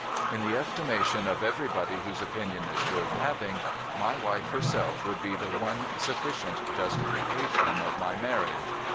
In the estimation of everybody whose opinion is worth having, my wife herself would be the one sufficient justification of my marriage.